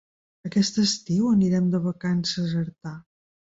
Aquest estiu anirem de vacances a Artà.